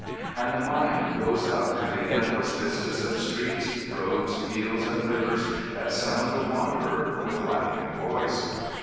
And the mind goes out to the endless vistas of streets, roads, fields, and rivers that summon the wanderer with laughing voice.